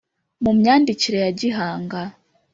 Mu myandikire ya gihanga